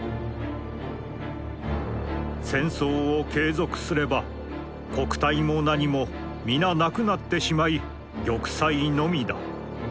戦争を継続すれば国体も何も皆なくなつてしまひ玉砕のみだ」。